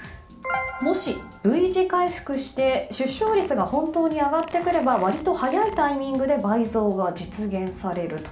もしＶ字回復して出生率が本当に上がってくれば割と早いタイミングで倍増が実現されると。